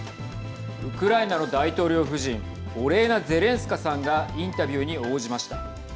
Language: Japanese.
ウクライナの大統領夫人オレーナ・ゼレンスカさんがインタビューに応じました。